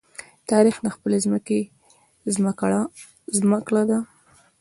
تاریخ د خپلې ځمکې زمکړه ده.